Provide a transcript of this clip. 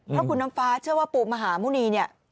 เพราะคุณน้ำฟ้าเชื่อว่าปู่มหาหมุณีเนี่ย